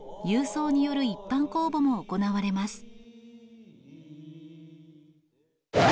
郵送による一般公募も行われます。